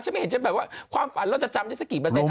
ไม่เห็นจะแบบว่าความฝันเราจะจำได้สักกี่เปอร์เซ็น